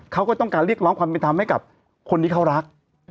เขาก็ต้องการเรียกร้องความเป็นธรรมให้กับคนที่เขารัก